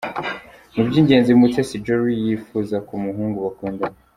Mu by’ingenzi Mutesi Jolly yifuza ku muhungu bakundana:.